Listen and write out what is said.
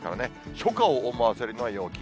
初夏を思わせるような陽気。